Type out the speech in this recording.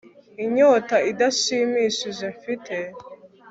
Inyota idashimishije mfite